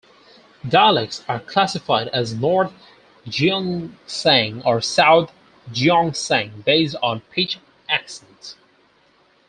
Dialects are classified as North Gyeongsang or South Gyeongsang based on pitch accent.